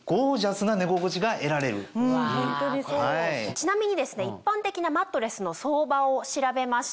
ちなみに一般的なマットレスの相場を調べました。